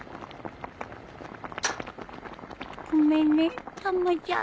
ごめんねたまちゃん。